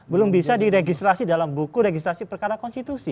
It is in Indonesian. belum bisa diregistrasi dalam buku registrasi perkara konstitusi